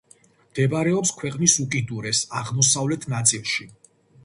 მდებარეობს ქვეყნის უკიდურეს აღმოსავლეთ ნაწილში.